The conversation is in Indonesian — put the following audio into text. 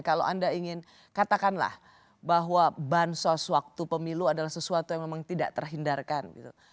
kalau anda ingin katakanlah bahwa bansos waktu pemilu adalah sesuatu yang memang tidak terhindarkan gitu